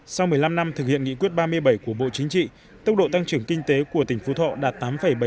sau một mươi năm năm thực hiện nghị quyết ba mươi bảy của bộ chính trị tốc độ tăng trưởng kinh tế của tỉnh phú thọ đạt tám bảy mươi bảy